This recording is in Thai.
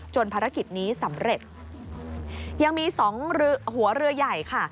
ภารกิจนี้สำเร็จยังมีสองหัวเรือใหญ่ค่ะ